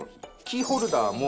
キーホルダーも。